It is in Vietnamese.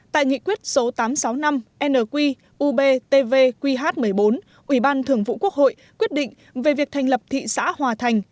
tại nghị quyết số tám trăm sáu mươi năm nqubtvqh một mươi bốn ủy ban thượng vụ quốc hội quyết định về việc thành lập thị xã hòa thành